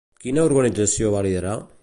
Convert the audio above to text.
Quina organització va liderar?